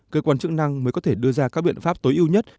cơ quan chức năng mới có thể đưa ra các biện pháp tối ưu nhất